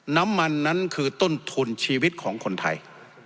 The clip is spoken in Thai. น้ำมันนั้นคือต้นทุนชีวิตของคนไทย